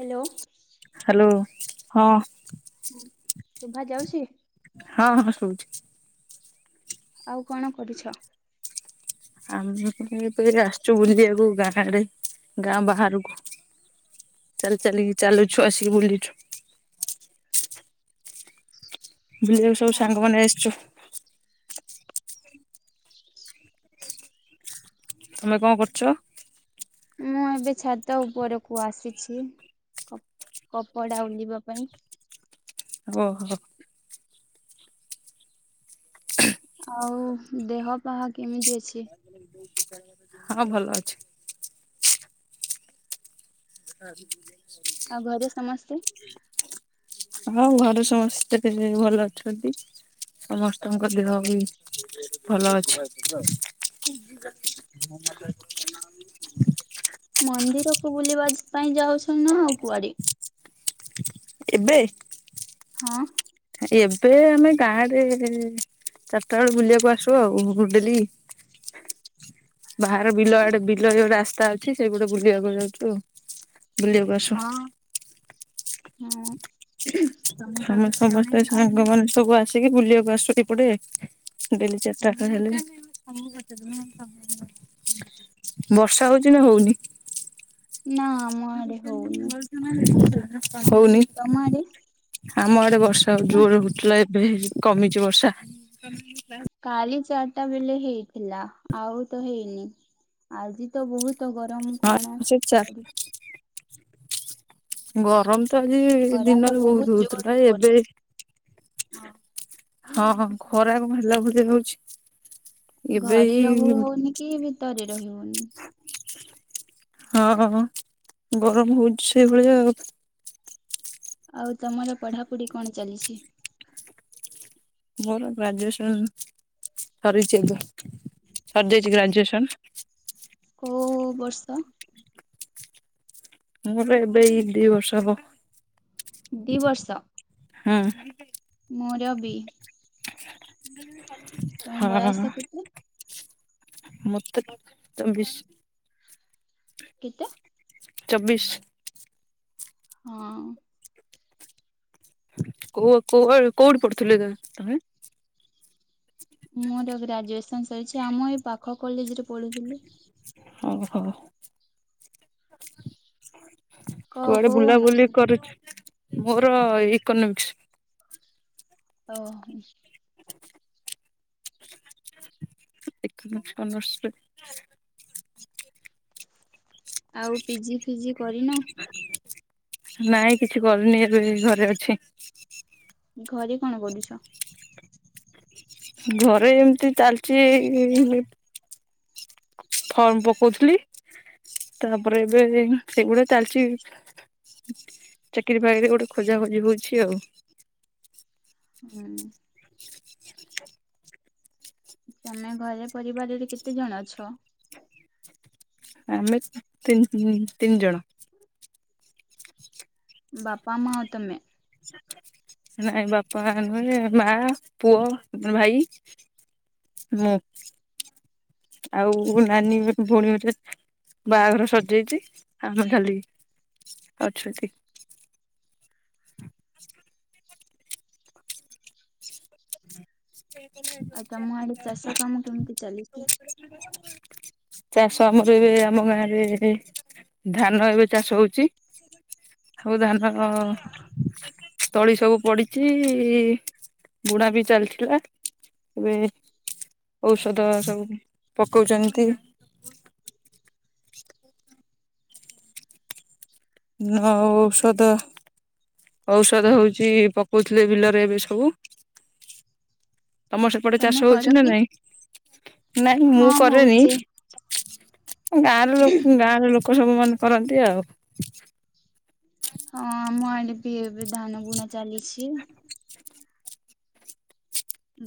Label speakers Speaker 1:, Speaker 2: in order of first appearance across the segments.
Speaker 1: Hello.
Speaker 2: Hello ହଁ।
Speaker 1: ଶୁଭା ଯାଉଛି?
Speaker 2: ହଁ ହଁ ଶଭୁଚି।
Speaker 1: ଆଉ କଣ କରୁଛ?
Speaker 2: ଆମେ ଏବେ ଆସଚୁ ବୁଲିବାକୁ ଗାଁ ଆଡେ ଗାଁ ବାହାରୁକୁ। ଚାଲ ଚାଲିକି ଚାଲୁଛୁ ଆସିକି ବୁଲୁଛୁ। ବୁଲିବାକୁ ସବୁ
Speaker 1: ହଁ।
Speaker 2: ସାଙ୍ଗମାନେ ଆସଚୁ। ତୁ ମେ କଣ କରୁଚ?
Speaker 1: ମୁଁ ଏବେ ଛାତ ଉପରକୁ ଆସିଛି। କପଡା ଉଲିବା ପାଇଁ।
Speaker 2: ଓହୋ। ହେଁ
Speaker 1: ଆଉ ଦେହ ପାହା କେମିତି ଅଛି?
Speaker 2: ହଁ ଭଲ ଅଛି। [inaudible]
Speaker 1: ଆଉ ଘରେ ସମସ୍ତେ?
Speaker 2: ହଁ ଘରେ ସମସ୍ତେ ଭଲ ଅଛନ୍ତି। ସମସ୍ତଙ୍କ ଦେହ ବି ଭ ଭଲ ଅଛନ୍ତି।
Speaker 1: ମନ୍ଦିରକୁ ବୁଲିବା ପାଇଁ ଯାଉଛନି ନା ଆଉ କୁଆଡେ?
Speaker 2: ଏବେ?
Speaker 1: ହଁ।
Speaker 2: ଏବେ ଆମେ ଗାଁ ଆଡେ ଚାରଟା ଏଳୁ ବୁଲିବାକୁ ଆସୁ ଆଉ ଗୁ ଡେଲୀ।
Speaker 1: [inaudible]
Speaker 2: ଭାହାର ବିଲ
Speaker 1: ହଁ।
Speaker 2: ଆଡେ ବି। ବିଲ ଯୋଉ ରାସ୍ତା ଅଛି ସେ ପଟେ ବୁଲିବାକୁ ଯାଉଚୁ ଆଉ। ବୁଲିବାକୁ ଆସୁ ହଁ।
Speaker 1: ହଁ।
Speaker 2: ଆମ ସମସ୍ତେ
Speaker 1: ଆଉ
Speaker 2: ସାଙ୍ଗମାନେ ସବୁ ଆସିକି ବୁଲିବାକୁ ଆସୁୁ ଏପଟେ। ଡେଲି ଚାରଟା ଏଳ ହେଲେ। ବର୍ଷା ହୋଉଚି ନା ହୋଉନି?
Speaker 1: ନା ଆମ ଆଡେ ହୋଉନି।
Speaker 2: ନାଁ ନାଁ ହୋଉନି?
Speaker 1: ତମ ଆଡ଼େ?
Speaker 2: ଆମ ଆଡେ ବର୍ଷା ଜୋରେ ହୋଉଥିଲା ଏବେ କମିଚି ବର୍ଷା।
Speaker 1: କାଲି ଚାରଟା ବେଲେ ହେଇଥିଲା। ଆଉ ତ ହେଇନି। ଆଜି ତ ବହୁତ ତ ଗରମ
Speaker 2: ହଁ
Speaker 1: କଣ
Speaker 2: ସେ ଚା
Speaker 1: [inaudible] କରି
Speaker 2: ଗରମ ତ ଆଜି
Speaker 1: ଖରା ତ
Speaker 2: ଦିନରେ ବହୁତ ହଉଥିଲା
Speaker 1: ଜୋରରେ କରି
Speaker 2: ଏବେ ହଁ। [inaudible] ହଁ। ଖରା ବୁଲାବୁଲି ହଉଛି? ଏବେ
Speaker 1: ଘରେ ରହୁ
Speaker 2: ଏଇ
Speaker 1: ହଉନି କି ଭିତରେ ରହି ହଉନି।
Speaker 2: [inaudible] ହଁ। [inaudible] ଗରମ ହଉଛି ସେଇଭଳିଆ ଆଉ।
Speaker 1: ଆଉ ତମର ପଢାପଢି କଣ ଚାଲିଛି?
Speaker 2: ମୋର ଗ୍ରାଜୁଏସନ୍ [inaudible] ସରିଛି। [inaudible] ସରିଯାଇଛି ଗ୍ରାଜୁଏସନ୍।
Speaker 1: କୋଉ ଉ ଉ ବର୍ଷ?
Speaker 2: ମୋର ଏବେ ଇ ଦି ବର୍ଷ ହବ।
Speaker 1: ଦି ବର୍ଷ?
Speaker 2: ହୁଁ।
Speaker 1: ମୋର ବି।
Speaker 2: [inaudible]
Speaker 1: ତମ
Speaker 2: ହଁ।
Speaker 1: ବୟସ କେତେ?
Speaker 2: [inaudible] ମତେ [inaudible] ବି ସେ
Speaker 1: କେତେ?
Speaker 2: ଚବିଶ।
Speaker 1: ହଁ।
Speaker 2: କୋ କୋଉ କୋଉ ଆଡେ଼ କୋଉଠି ପଢୁଥିଲେ ତମେ?
Speaker 1: ମୋର ଗ୍ରାଜୁଏସନ ସରିଛି। ଆଉ ମୁଁ ଏଇ ପାଖ କଲେଜରେ ପଢୁଥିଲି।
Speaker 2: ହଉ ହଉ [inaudible]
Speaker 1: କୋଉ
Speaker 2: କୁଆଡେ
Speaker 1: କୋଉ ଅନର୍ସ
Speaker 2: ବୁଲାବୁଲି
Speaker 1: ନେ
Speaker 2: କରୁଛି? [inaudible] ମୋର ଇକୋନୋମିକ୍ସ।
Speaker 1: ହଉ।
Speaker 2: [unintelligible]
Speaker 1: ଆଉ ପିଜି ଫିଜି କରିନ?
Speaker 2: ନାଇଁ କିଛି କରିନି। ଏବେ ଯାଇ ଘରେ ଅଛି।
Speaker 1: ଘରେ କଣ କରୁଛ?
Speaker 2: ଘରେ ଏମତି ଚାଲିଛି ଏଇ ଇ ଇ ଫର୍ମ ପକଉଥିଲି। [inaudible] ତାପରେ ଏବେ ଏଇ ସେଗୁଡା ଚାଲିଛି। [inaudible] ଚାକିରି ପାଇଁ କି ଗୋଟେ ଖୋଜା ଖୋଜି ହଉଛି ଆଉ।
Speaker 1: [unintelligible] ତମେ ଘରେ ପରିବାରରେ କେତେ ଜଣ ଅଛ?
Speaker 2: ଆମେ [inaudible] ତିନ୍ ତିନି ଜଣ।
Speaker 1: ବାପା ମାଆ ଆଉ ତମେ?
Speaker 2: [inaudible] ନାଇ ନୁହଯେ ମା ପୁଅ ଭାଇ। ମୁଁ। [inaudible] ଆଉ ନାନୀ ବି ଭଉଣୀ ଗୋଟେ। ବାହାଘର ସରିଯାଇଛି। ଆମେ ଖାଲି [inaudible] ଅଛୁ ଏତିକି। [inaudible]
Speaker 1: ଆଉ ତମ ଆଡେ ଚାଷ କାମ କେମିତି ଚାଲିଛି?
Speaker 2: [inaudible]
Speaker 1: [inaudible]
Speaker 2: ଚାଷ ଆମର ଏବେ ଆମ ଗାଁ ରେ [inaudible] ଧାନ ଏବେ ଚାଷ ହଉଛି। ହଉ ଧାନ ତଳି ସବୁ ପଡିଚି। ବୁଣା ବି ଚାଲିଥିଲା। ଏବେ [inaudible] ଔଷଧ ସବୁ [inaudible] ପକଉଛନ୍ତି। ନା ଆଉ ଔଷଧ ଔଷଧ ହଉଛି ପକଉଥିଲେ ବିଲରେ ଏବେ ସବୁ। ତମର ସେପଟେ
Speaker 1: ତମେ
Speaker 2: ଚାଷ
Speaker 1: କର
Speaker 2: ହଉଛି ନା
Speaker 1: କି?
Speaker 2: ନାଇଁ?
Speaker 1: ହଁ ହଉଛି।
Speaker 2: ଗାଁର ଲ ଗାଁର ଲୋକ ସବୁ ମାନେ କରନ୍ତି ଆଉ।
Speaker 1: ହଁ ମୁଁ ଆଇଲି। କି ଏବେ ଧାନ ବୁଣା ଚାଲିଛି।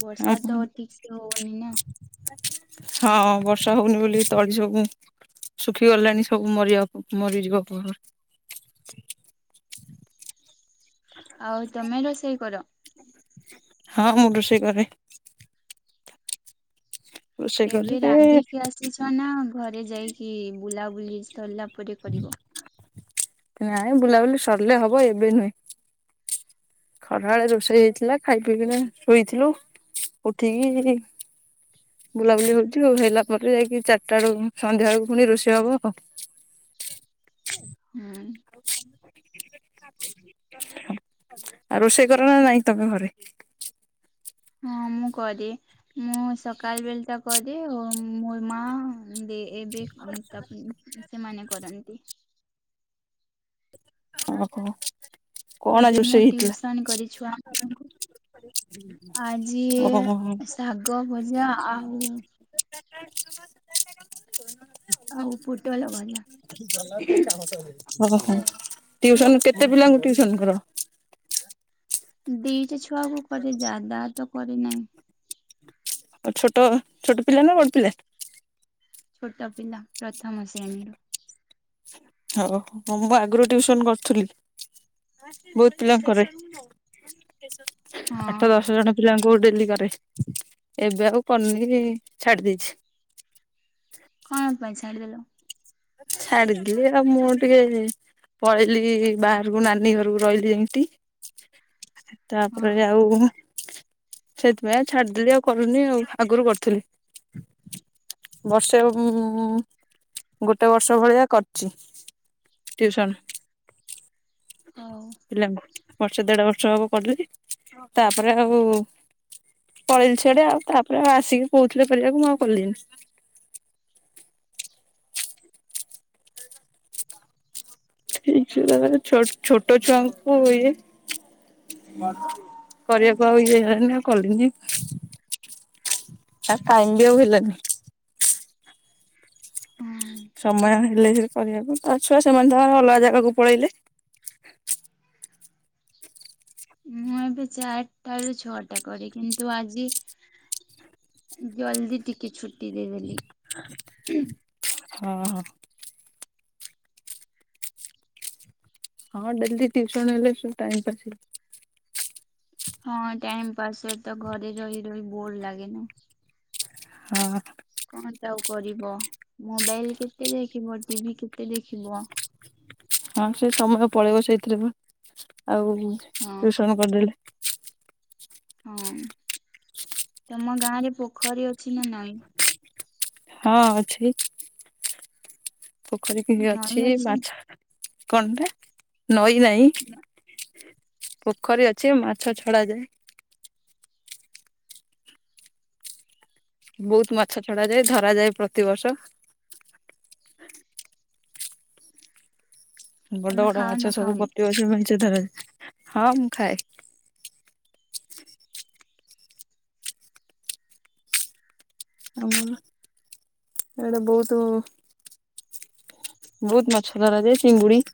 Speaker 1: ବର୍ଷା ତ ଠିକ ସେ ହଉନି ନା।
Speaker 2: ହଁ ବର୍ଷା ହଉନି ବୋଲି ତଳି ସବୁ ଶୁଖି ଗଲାଣି ସବୁ ମରିବା ମରିଯିବା ଉପରେ।
Speaker 1: ଆଉ ତମେ ରୋଷେଇ କର?
Speaker 2: ହଁ ମୁଁ ରୋଷେଇ କରେ। ରୋଷେଇ କଲେ
Speaker 1: ଏବେ ରାନ୍ଧିକି ଆସିଛ ନା ଘରେ ଯାଇକି ବୁଲାବୁଲି ସରିଲା ପରେ କରିବ?
Speaker 2: ନାଇଁ ବୁଲାବୁଲି ସରିଲେ ହବ ଏବେ ନୁହେଁ। ଖରା ବେଳେ ରୋଷେଇ ହେଇଥିଲା। ଖାଇ ପିଇକିନା ଶୋଇଥିଲୁ ଉଠିକି ବୁଲାବୁଲି ହଉଛି ଆଉ ହେଲା ପରେ ଯାଇକି ଚାରିଟା ବେଳକୁ ସନ୍ଧ୍ୟା ବେଳକୁ ପୁଣି ରୋଷେଇ ହବ ଆଉ।
Speaker 1: ହୁଁ [unintelligible]
Speaker 2: ଆଉ ରୋଷେଇ କର ନା ନାଇଁ ତମ ଘରେ?
Speaker 1: ହଁ ମୁଁ କରେ ମୁଁ ସକାଳ ବେଳେ ଟା କରେ। ଆଉ ମୋର ମା ଏବେ ତା ସେମାନେ କରନ୍ତି [unintelligible]
Speaker 2: ଓହୋ। କଣ ଆଜି
Speaker 1: ଏବେ ମୁଁ
Speaker 2: ରୋଷେଇ ହେଇଥିଲା?
Speaker 1: ଟିଉସନ କରେ ଛୁଆଙ୍କୁ ଆଜି
Speaker 2: ଓହୋ
Speaker 1: ଶାଗ ଭଜା ଆଉ ଆଉ ପୁଟଳ ଭଜା।
Speaker 2: ଓହୋ। ଟିଉସନ କେତେ ପିଲାଙ୍କୁ ଟିଉସନ କର?
Speaker 1: ଦିଟା ଛୁଆକୁ କରେ ଯାଦାତ କରି ନାହିଁ।
Speaker 2: ଆଉ ଛୋଟ ଛୋଟ ପିଲା ନା ବଡ ପିଲା?
Speaker 1: ଛୋଟ ପିଲା ପ୍ରଥମ ଶ୍ରେଣୀରୁ।
Speaker 2: ଓହୋ ମୁଁ ବି ଆଗରୁ ଟିଉସନ କରୁଥିଲି। ବହୁତ ପିଲା କରେ।
Speaker 1: ହଁ
Speaker 2: ଆଠ ଦଶ ଜଣ ପିଲାଙ୍କୁ ଡେଲି କରେ। ଏବେ ଆଉ କରୁନି ଛାଡି ଦେଇଛି।
Speaker 1: କଣ ପାଇଁ ଛାଡିଦେଲ?
Speaker 2: ଛାଡିଦେଲି ଆଉ ମୁଁ ଟିକେ ପଳେଇଲିି ବାହାରକୁ ନାନୀ ଘରକୁ ରହିଲି ଏମିତି
Speaker 1: [inaudible]
Speaker 2: ତାପରେ
Speaker 1: ହଁ
Speaker 2: ଆଉ ସେଥିପାଇଁ ଛାଡିଦେଲି ଆଉ କରୁନି ଆଉ ଆଗରୁ କରୁଥିଲି। ବର୍ଷେ ହବ ମୁଁ ଗୋଟେ ବର୍ଷ ଭଳିଆ କରିଛି ଟଉସନ।
Speaker 1: ହଉ।
Speaker 2: ହେଲା ବର୍ଷ ଦେଢବର୍ଷ ହବ କରିଦେଲି। ତାପରେ ଆଉ ପଳେଇଲି ସିଆଡେ ଆଉ। ତାପରେ ଆଉ ଆସିକି କହୁଥିଲେ କରିବାକୁ ମୁଁ ଆଉ କଲିିନି। ଠିକଛ ଦ ଛୋଟ ଛୁଆଙ୍କୁ ୁଏ [unintelligible] କରିବାକୁ ଆଉ ଇଏ ହେଲାନି ଆଉ କଲିନି। ଆଉ ଟାଇମ୍ ବି ଆଉ ହେଲାନି।
Speaker 1: ହଁ
Speaker 2: ସମୟ ହେଲେ ସିନା କରିବାକୁ। ତା ଛୁଆ ସେମାନେ ସମସ୍ତେ ଅଲଗା ଜାଗାକୁ ପଳେଇଲେ।
Speaker 1: ମୁଁ ଏବେ ଚାରିଟାରୁ ଛଅଟା କରେ। କିନ୍ତୁ ଆଜି ଜଲଦି ଟିକେ ଛୁଟି ଦେଇଦେଲି।
Speaker 2: ହଁ, ହଁ। ହଁ ଡେଲିୁସନ ହେଲେ ସବୁ ଟାଇ ପା ହେ [unintelligible]
Speaker 1: ହଁ ଟାଇମ ପାସ୍ ହୁଏ ତ ଘରେ ରହି ରହି ବୋର ଲାଗେ ନି
Speaker 2: ହଁ
Speaker 1: କଣ ଟା ଆଉ କରିବ, ମୋବାଇଲ କେତେ ଦେଖିବ ଟିଭି କେତେ ଦେଖିବ
Speaker 2: ହଁ ସେ ସମୟ ପଳେଇବ ସେଇଥିରେ ପାଆଉ
Speaker 1: ହଁ
Speaker 2: ଟ୍ୟୁସନ କରିଦେଲେ
Speaker 1: ହଁ, ତମ ଗାଁ ରେ ପୋଖରୀ ଅଛି ନା ନାଇଁ?
Speaker 2: ହଁ ଅଛି। ପୋଖରୀ କି ଅଛି ମାଛ କଣଟେ ନଈ ନାହିଁ। ପୋଖରୀ ଅଛି ମାଛ ଛଡା ଯାଏ। ବହୁତ୍ ମାଛ ଛଡା ଯାଏ ଧରାଯାଏ ପ୍ରତିବର୍ଷ। ବଡ
Speaker 1: ତମେ
Speaker 2: ବଡ
Speaker 1: ଖାଅ ନା
Speaker 2: ମାଛ ସବୁ
Speaker 1: ଖାଅନି
Speaker 2: ପତି ବର୍ଷ ମାଛଧରାଯାଏ, ହଁ ମୁଁ ଖାଏ। ଆମର, ଏଇ ଡେ ବହୁତ୍। ବହୁତ୍ ମାଛ ଧରାଯାଏ ଚିଙ୍ଗୁଡି।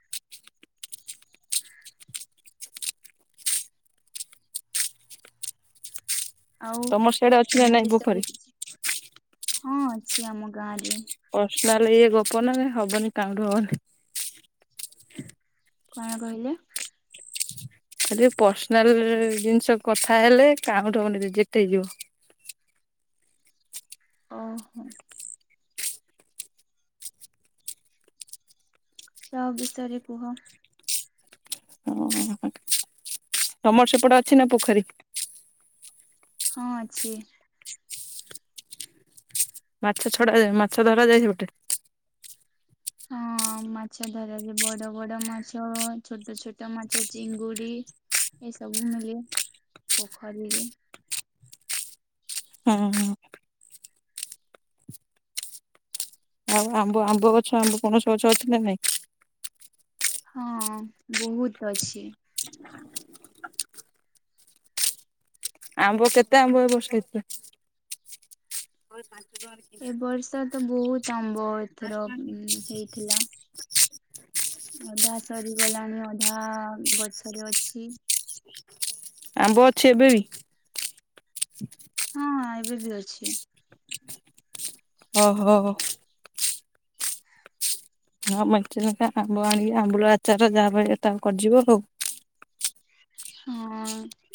Speaker 1: ଆଉ
Speaker 2: ତମର ସିଆଡେ ଅଛି ନା
Speaker 1: ତମ
Speaker 2: ନାଇଁ ପୋଖରୀ?
Speaker 1: ବିଷୟରେ କିଛି, ହଁ ଅଛି ଆମ ଗାଁ ରେ।
Speaker 2: ପର୍ସନାଲ ଇଏ ଗପ ନା ନିହେଲେ ହବନି କାମ ହବନି।
Speaker 1: କଣ କହିଲେ?
Speaker 2: ଖାଲି ପର୍ସନାଲ ଜିନିଷ କଥା ହେଲେ କାଉଁଟ ହବନି ରିଜେକ୍ଟ ହେଇଯିବ।
Speaker 1: ଓହୋ। ତା ବିଷୟରେ କୁହ?
Speaker 2: ହୁଁ ହୁଁ [unintelligible] ତମର ସେପଟେ ଅଛି ନା ପୋଖରୀ?
Speaker 1: ହଁ ଅଛି।
Speaker 2: ମାଛ ଛଡାାଯଏ ମାଛ ଧରା ଯାଏ ଯୋଉଟା।
Speaker 1: ହଁ। ମାଛ ଧରାଯାଏ ବଡ ବଡ ମାଛ ଛୋଟ ଛୋଟ ମାଛ ଚିଙ୍ଗୁଡି ଏଇ ସବୁ ମିଳେ, ପୋଖରୀରେ। ହ [inaudible]
Speaker 2: ହଁ ହଁ। ଆଉ ଆମ୍ବ ଆମ୍ବ ଗଛ ଆମ୍ବ ପଣସ ଗଛ ଅଛି ନା ନାଇଁ?
Speaker 1: ହଁ ବହୁତ୍ ଅଛି।
Speaker 2: [inaudible] ଆମ୍ବ କେତେ ଆମ୍ବ ଏ ବର୍ଷ ହେଇଥିଲା। ଆଉ ପାଞ୍ଚର [inaudible]
Speaker 1: ଏ ବର୍ଷ ତ ବହୁତ୍‌ ଆମ୍ବ ଏଥର ହେଇଥିଲା। ଅଧା ସରିଗଲାଣି ଅଧା ଗଛରେ ଅଛି।
Speaker 2: ଆମ୍ବ ଅଛି ଏବେ ବି।
Speaker 1: ହଁ ଏବେ ବି ଅଛି।
Speaker 2: ଓ ହୋ। ହଁ ମଇା ଆମ୍ବ ଆଣିକି ଆମ୍ବୁଳ ଆଚାର ଯାହା ଭ ଏଟା କରିଯିବ ହଉ [unintelligible]
Speaker 1: ହଁ।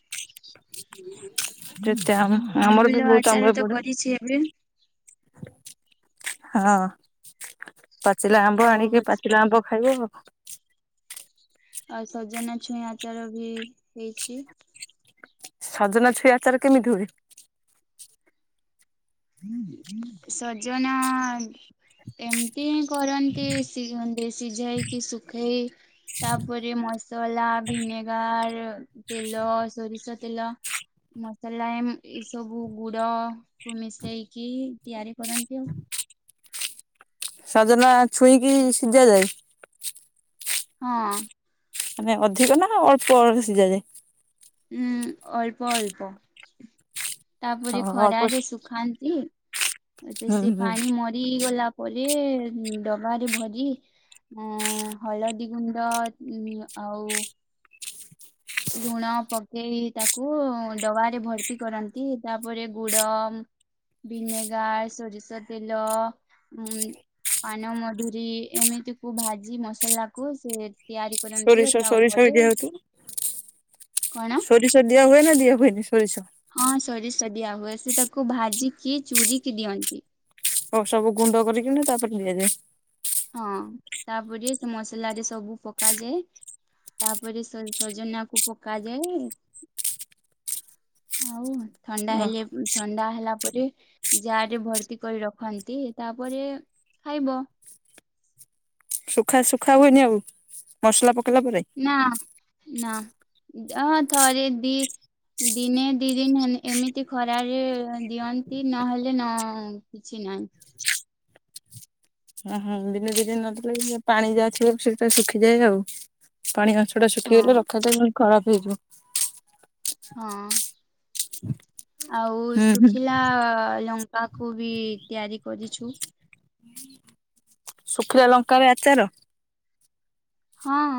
Speaker 2: ଯେତେ ଆ ଆମର
Speaker 1: ଆମ୍ବୁଲ
Speaker 2: ବି ବହୁତ
Speaker 1: ଆଚାର
Speaker 2: ଆମ୍ବ
Speaker 1: ତ
Speaker 2: ଏପଟେ।
Speaker 1: କରିଛି ଏବେ
Speaker 2: ହଁ। ପାଚିଲା ଆମ୍ବ
Speaker 1: ଆଉ
Speaker 2: ଆଣିକି ପାଚିଲା ଆମ୍ବ ଖାଇବ ଆଉ।
Speaker 1: ଆଉ ସଜନା ଛୁଇଁ ଆଚାର ବି ହେଇଛି।
Speaker 2: ସଜନା ଛୁଇ ଆଚାର କେମିତି ହୁଏ?
Speaker 1: [inaudible] ସଜନା ଏମତି ହିଁ କରନ୍ତି। [unintelligible] ସିଝାଇ କି ସୁଖାଇ ତାପରେ ମସଲା, ଭିନେଗାର, ତେଲ ସୋରିଷ ତେଲ, ମସଲା, ଏ ସବୁ ଗୁଡ କ ମିଶେଇକି ତିଆରି କରନ୍ତି ଆଉ।
Speaker 2: ସଜନା ଛୁଇଁ କି ସିଝା ଯାଏ।
Speaker 1: ହଁ।
Speaker 2: ମାନେ ଅଧିକ ନା ଅଳ୍ପ ସିଝାଯାଏ।
Speaker 1: ହୁଁ, ଅଳ୍ପ ଅଳ୍ପ। ତାପରେ
Speaker 2: ହଁ ଅଳ୍ପ
Speaker 1: ଖରାରେ ଶୁଖାନ୍ତି।
Speaker 2: ହୁଁ
Speaker 1: ସେ
Speaker 2: ହୁଁ
Speaker 1: ପାଣି ମ ରି ଗଲା ପରେ ଡବାରେ ଭରି ଉଁ ହଳଦୀ ଗୁଣ୍ଡ ଉ ଆଉ ଲୁଣ ପକେଇ ତାକୁ ଡବାରେ ଭର୍ତି କରନ୍ତି। ତାପରେ ଗୁଡ ଭିନେଗାର, ସୋରିଷ ତେଲ, ଉ ପାନ ମଧୁରୀ, ଏମିତି କୁ ଭାଜି ମସଲା କୁ ସେ ତିଆରି କରନ୍ତି।
Speaker 2: ସୋରିଷ
Speaker 1: ଆଉ ତା
Speaker 2: ସୋରିଷ ବି
Speaker 1: ଉପରେ
Speaker 2: ଦିଆ ହଉଥିବ।
Speaker 1: କଣ।
Speaker 2: ସୋରିଷ ଦିଆ ହୁଏ ନା ଦିଆ ହୁଏନି ସୋରିଷ?
Speaker 1: ହଁ, ସୋରିଷ ଦିଆ ହୁଏ। ସେ ତାକୁ ଭାଜିକି ଚୁୁରିକି ଦିଅନ୍ତି।
Speaker 2: ସବୁ ଗୁଣ୍ଡ କରିକି ତାପରେ ଦିଆଯାଏ।
Speaker 1: ହଁ, ତାପରେ ସେ ମସଲା ରେ ସବୁ ପକାଯାଏ। ତାପରେ ସଜନା କୁ ପକା ଯାଏ। [unintelligible] ଥଣ୍ଡା
Speaker 2: ଓ
Speaker 1: ହେଲେ ଥଣ୍ଡା ହେଲା ପରେ ଯାର୍ ରେ ଭର୍ତ୍ତି କରି ରଖନ୍ତି ତାପରେ ଖାଇବ।
Speaker 2: ଶୁଖା ଶୁଖା ହୁଏନି ଆଉ ମସଲା ପକେଇଲା ପରେ?
Speaker 1: ନା, ନା ଅ ଥରେ ଦି ଦିନେ ଦି ଦିନ ଏମିତି ଖରାରେ ଦିଅନ୍ତି ନହେଲେ ନ କିଛି ନାହିଁ।
Speaker 2: [unintelligible] ଦିନେ ଦୁଇ ଦିନ ନଦେଲେ ପାଣି ଯାହାଥିବ ସେଇଟା ଶୁଖିଯାଏ ଆଉ। ପାଣି [inaudible] ଟା
Speaker 1: ହଁ
Speaker 2: ଶୁଖିଗଲେ ରଖାଯାଏ ନହେଲେ ଖରାପ ହେଇଯିବ।
Speaker 1: ହଁ, ଆଉ
Speaker 2: ହୁଁ ହୁଁ।
Speaker 1: ଶୁଖିଲା ଲଙ୍କା ତାକୁ ବି ତିଆରି କରିଛୁ।
Speaker 2: [inaudible] ଶୁଖିଲଆ ଲଙ୍କା ରେ ଆଚାର।
Speaker 1: ହଁ।